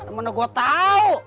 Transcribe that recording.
emang enggak gue tau